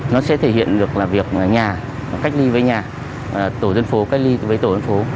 nó sẽ thể hiện được là việc nhà cách ly với nhà tổ dân phố cách ly với tổ dân phố